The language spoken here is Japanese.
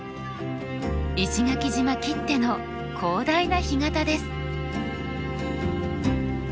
石垣島きっての広大な干潟です。